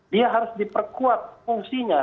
dia harus diperkuat fungsinya